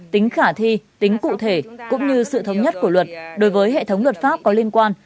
tính khả thi tính cụ thể cũng như sự thống nhất của luật đối với hệ thống luật pháp có liên quan